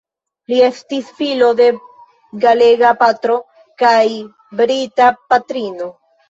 Li estis filo de galega patro kaj brita patrino.